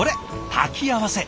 炊き合わせ。